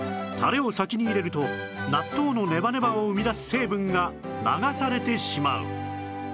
タレを先に入れると納豆のネバネバを生み出す成分が流されてしまう